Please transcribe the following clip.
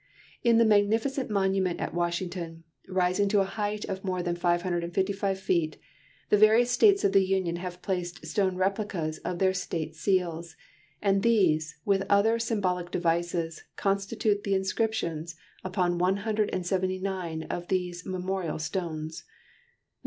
In the magnificent monument at Washington, rising to a height of more than 555 feet, the various States of the Union have placed stone replicas of their State seals, and these, with other symbolic devices, constitute the inscriptions upon one hundred and seventy nine of these memorial stones.